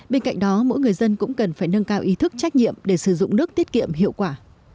bên cạnh đó mỗi người dân cũng cần phải nâng cao ý thức trách nhiệm để sử dụng nước tiết kiệm hiệu quả